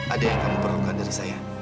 ada yang kamu perlukan dari saya